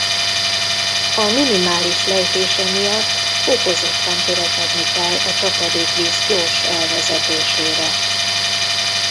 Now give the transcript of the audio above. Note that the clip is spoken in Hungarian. A minimális lejtése miatt fokozottan törekedni kell a csapadékvíz gyors elvezetésére.